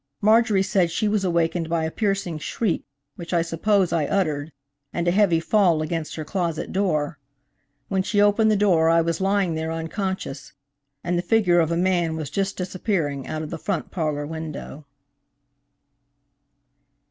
Marjorie said she was awakened by a piercing shriek which I suppose I uttered, and a heavy fall against her closet door. When she opened the door I was lying there unconscious, and the figure of a man was just disappearing out of the front parlor window.